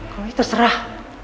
kalau ini terserah